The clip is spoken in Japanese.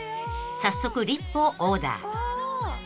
［早速リップをオーダー］